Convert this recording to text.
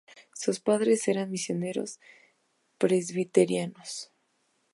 Sus padres eran misioneros presbiterianos.